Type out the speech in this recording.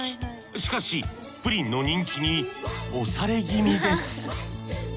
しかしプリンの人気に押され気味です。